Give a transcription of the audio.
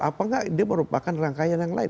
apakah dia merupakan rangkaian yang lain